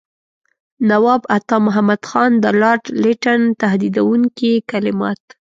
نواب عطامحمد خان د لارډ لیټن تهدیدوونکي کلمات.